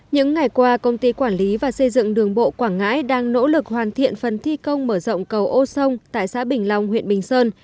những ngày qua công ty quản lý và xây dựng đường bộ quảng ngãi đang nỗ lực hoàn thiện phần thi công mở rộng cầu ô sông tại xã bình long huyện bình sơn